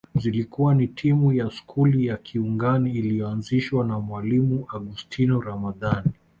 Zilikuwa ni timu ya skuli ya Kiungani iliyoanzishwa na Mwalimu Augostino Ramadhani